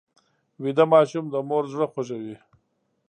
ویده ماشوم د مور زړه خوږوي